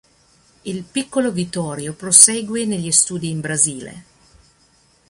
Il piccolo Vittorio prosegue negli studi in Brasile.